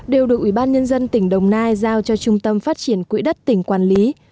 đều được ủy ban nhân dân tỉnh đồng nai giao cho trung tâm phát triển quỹ đất tỉnh quản lý